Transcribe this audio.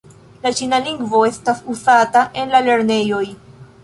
La ĉina lingvo estas uzata en la lernejoj.